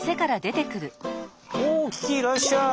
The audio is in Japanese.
おおキキいらっしゃい！